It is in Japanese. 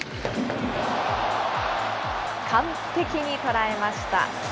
完璧に捉えました。